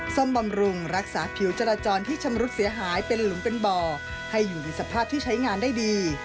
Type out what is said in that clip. ซ่อมบำรุงรักษาผิวจราจรที่ชำรุดเสียหายเป็นหลุมเป็นบ่อให้อยู่ในสภาพที่ใช้งานได้ดี